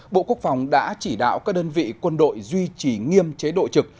bộ quốc phòng đã chỉ đạo các đơn vị quân đội duy trì nghiêm chế độ trực